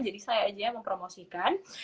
jadi saya aja yang mempromosikan